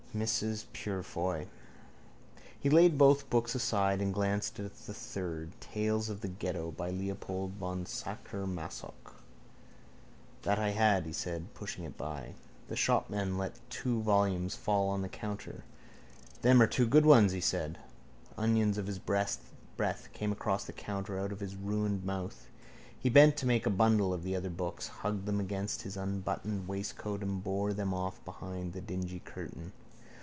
Mrs Purefoy. He laid both books aside and glanced at the third: Tales of the Ghetto by Leopold von Sacher Masoch. —That I had, he said, pushing it by. The shopman let two volumes fall on the counter. —Them are two good ones, he said. Onions of his breath came across the counter out of his ruined mouth. He bent to make a bundle of the other books, hugged them against his unbuttoned waistcoat and bore them off behind the dingy curtain.